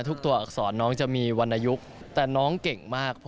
ตัวอักษรน้องจะมีวันอายุแต่น้องเก่งมาก